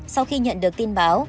sau khi nhận được tin báo